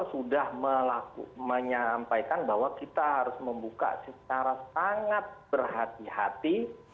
sudah menyampaikan bahwa kita harus membuka secara sangat berhati hati